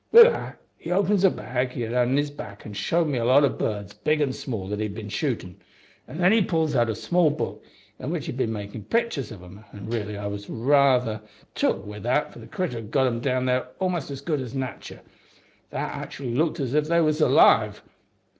"Wi' that he opens a bag he had on his back an' showed me a lot o' birds, big an' small, that he'd been shootin'; an' then he pulls out a small book, in which he'd been makin' picturs of 'em an' r'ally I was raither took wi' that for the critter had got 'em down there almost as good as natur'. They actooally looked as if they was alive!